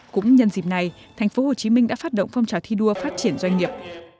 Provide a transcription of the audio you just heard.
cũng nhân dịp này thành phố hồ chí minh đã phát động phong trào thi đua phát triển doanh nghiệp